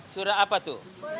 surat apa itu